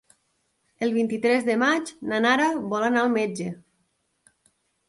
El vint-i-tres de maig na Nara vol anar al metge.